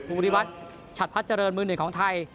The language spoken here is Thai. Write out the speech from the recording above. ภูริวัฒน์ฉัดพัดเจริญมือหนึ่งของไทย